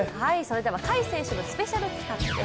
甲斐選手のスペシャル企画です。